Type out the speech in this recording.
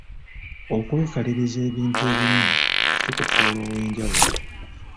Okwekaliriza ebintu ebimu kikufuula ow'enjawulo.